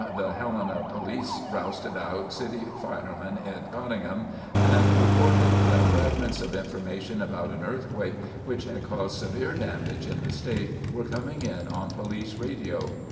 the Helena Police rousted out city fireman Ed Cottingham and reported that fragments of information about an earthquake which had caused severe damage in the state were coming in on police radio.